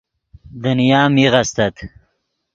دنیا میغ استت